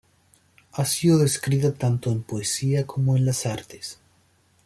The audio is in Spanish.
Ha sido descrita tanto en poesía como en las artes.